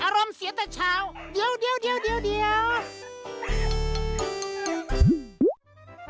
สวัสดีค่ะต่างทุกคน